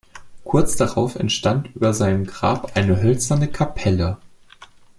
Kurz darauf entstand über seinem Grab eine hölzerne Kapelle.